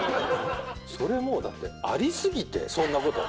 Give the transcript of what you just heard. それもう、だって、あり過ぎて、そんなこと。